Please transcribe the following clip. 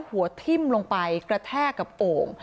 หัวทิ้มลงไปกระแทกกับโอ่ง